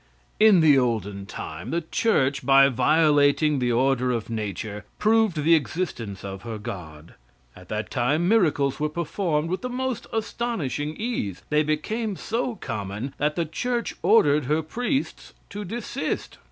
In the olden time, the church, by violating the order of nature, proved the existence of her God. At that time miracles were performed with the most astonishing ease. They became so common that the church ordered her priests to desist.